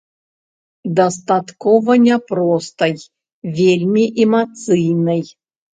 Дастаткова не простай, вельмі эмацыйнай.